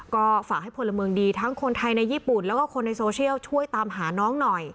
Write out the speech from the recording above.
ก็ฝากให้พลเมืองดีทั้งคนไทยในญี่ปุ่นแล้วก็คนในโซเชียลช่วยตามหาน้องหน่อย